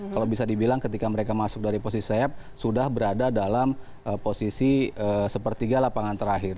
kalau bisa dibilang ketika mereka masuk dari posisi sayap sudah berada dalam posisi sepertiga lapangan terakhir